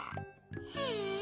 へえ。